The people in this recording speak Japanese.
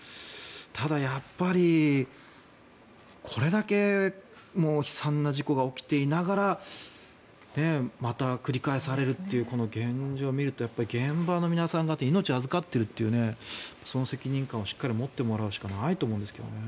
ただ、やっぱりこれだけ悲惨な事故が起きていながらまた繰り返されるというこの現状を見ると現場の皆さん方命を預かっているというその責任感をしっかり持ってもらうしかないと思うんですけどね。